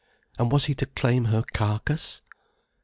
And was he to claim her carcase?